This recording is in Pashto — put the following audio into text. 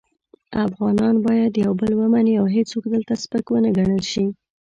افغانان باید یو بل ومني او هیڅوک دلته سپک و نه ګڼل شي.